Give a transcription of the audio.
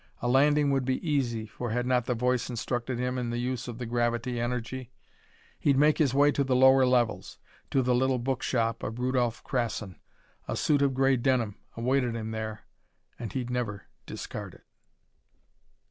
A landing would be easy, for had not the voice instructed him in the use of the gravity energy? He'd make his way to the lower levels, to the little book shop of Rudolph Krassin. A suit of gray denim awaited him there and he'd never discard it.